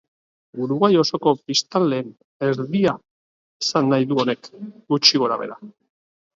Uruguai osoko biztanleen erdia esan nahi du honek, gutxi gora-behera.